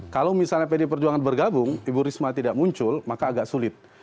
kalau misalnya pd perjuangan bergabung ibu risma tidak muncul maka agak sulit